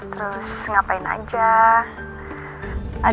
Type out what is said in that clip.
karena dia kutipan dulu